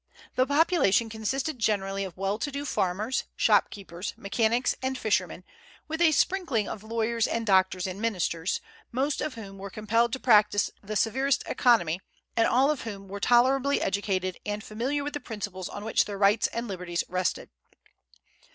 The population consisted generally of well to do farmers, shopkeepers, mechanics, and fishermen, with a sprinkling of lawyers and doctors and ministers, most of whom were compelled to practise the severest economy, and all of whom were tolerably educated and familiar with the principles on which their rights and liberties rested.